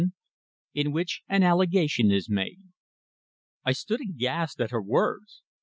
IN WHICH AN ALLEGATION IS MADE. I stood aghast at her words.